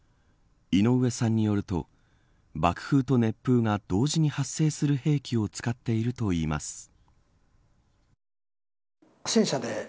井上さんによると爆風と熱風が同時に発生する兵器を使っているといいます。